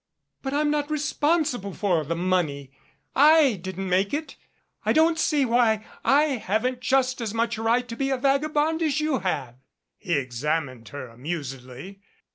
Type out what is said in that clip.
"But I'm not responsible for the money. / didn't make it. I don't see why I haven't just as much right to be a vagabond as you have." He examined her amusedly.